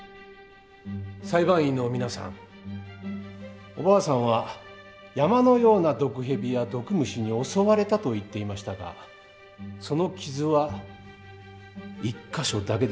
裁判員の皆さんおばあさんは山のような毒蛇や毒虫に襲われたと言っていましたがその傷は一か所だけです。